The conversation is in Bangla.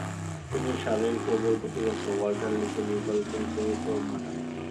তিনি সারের প্রবল প্রতিপক্ষ ওয়াল্টার লিসের বিকল্প হিসেবে উত্তরণ ঘটান।